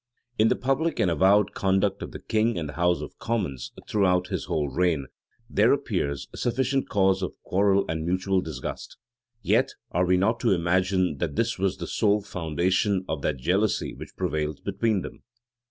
In the public and avowed conduct of the king and the house of commons, throughout this whole reign, there appears sufficient cause of quarrel and mutual disgust; yet are we not to imagine that this was the sole foundation of that jealousy which prevailed between them.